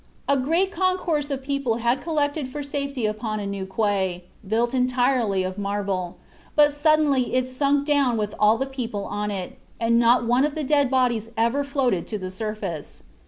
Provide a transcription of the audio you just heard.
A great concourse of people had collected for safety upon a new quay, built entirely of marble; but suddenly it sunk down with all the people on it, and not one of the dead bodies ever floated to the surface.